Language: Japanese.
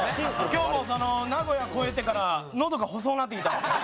今日も名古屋越えてからのどが細うなってきたんですよ。